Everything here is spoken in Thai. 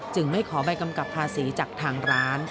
ไม่ขอใบกำกับภาษีจากทางร้าน